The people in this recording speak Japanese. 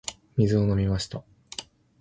水を飲みました。